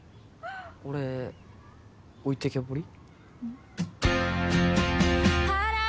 俺置いてけぼり？